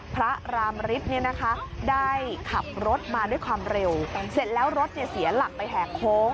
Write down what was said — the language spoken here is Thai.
พระรามฤทธิ์เนี่ยนะคะได้ขับรถมาด้วยความเร็วเสร็จแล้วรถเสียหลักไปแหกโค้ง